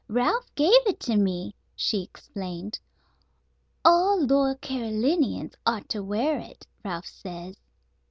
Ralph gave it to me," she explained; "all loyal Carolinians ought to wear it, Ralph says."